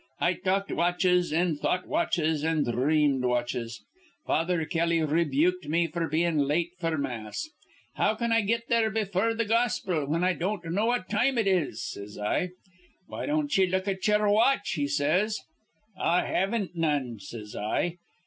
I talked watches an' thought watches an' dhreamed watches. Father Kelly rebuked me f'r bein' late f'r mass. 'How can I get there befure th' gospil, whin I don't know what time it is?' says I. 'Why don't ye luk at ye'er watch?' he says. 'I haven't none,' says I.